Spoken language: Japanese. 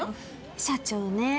社長ね